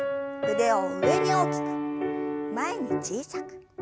腕を上に大きく前に小さく。